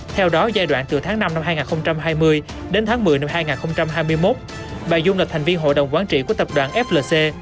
theo đó giai đoạn từ tháng năm năm hai nghìn hai mươi đến tháng một mươi năm hai nghìn hai mươi một bà dung là thành viên hội đồng quán trị của tập đoàn flc